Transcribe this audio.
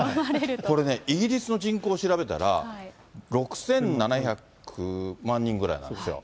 これね、イギリスの人口を調べたら、６７００万人ぐらいなんですよ。